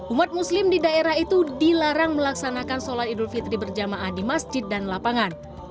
umat muslim di daerah itu dilarang melaksanakan sholat idul fitri berjamaah di masjid dan lapangan